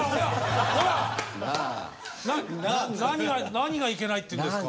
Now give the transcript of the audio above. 何がいけないっていうんですか。